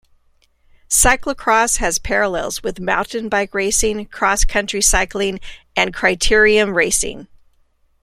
Cyclo-cross has parallels with mountain bike racing, cross-country cycling and criterium racing.